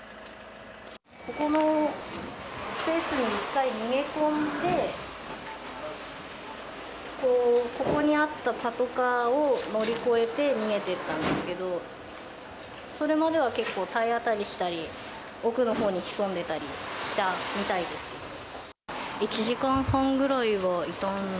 ここのスペースに一回逃げ込んで、ここにあったパトカーを乗り越えて逃げてったんですけど、それまでは結構、体当たりしたり、奥のほうに潜んでたりしたみたいですけど。